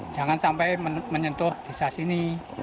jangan sampai menyentuh desa sini